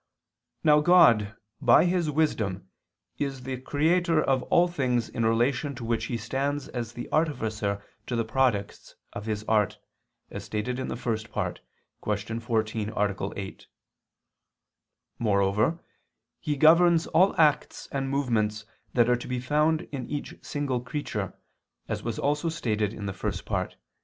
Now God, by His wisdom, is the Creator of all things in relation to which He stands as the artificer to the products of his art, as stated in the First Part (Q. 14, A. 8). Moreover He governs all the acts and movements that are to be found in each single creature, as was also stated in the First Part (Q.